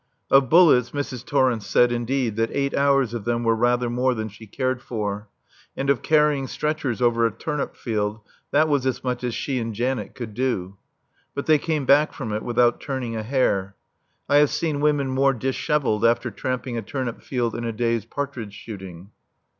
Of bullets Mrs. Torrence said, indeed, that eight hours of them were rather more than she cared for; and of carrying stretchers over a turnip field, that it was as much as she and Janet could do. But they came back from it without turning a hair. I have seen women more dishevelled after tramping a turnip field in a day's partridge shooting.